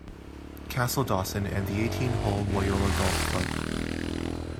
Castledawson and the eighteen hole Moyola golf club.